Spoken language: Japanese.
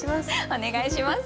お願いします。